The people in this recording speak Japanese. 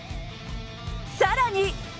さらに。